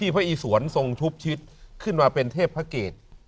พระอิสวรรค์ทรงชุบชิศขึ้นมาเป็นเทพพระเกรด